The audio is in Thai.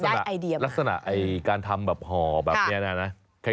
ได้ไอเดียมากเลยนะครับลักษณะการทำห่อแบบนี้นะ